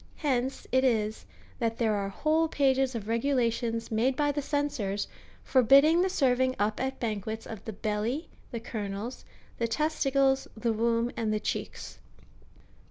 Hence it is, that there are whole pages of regulations made by the cen sors, forbidding the serving up at banquets of the belly, the kernels,^ the testicles, the womb, and the cheeks.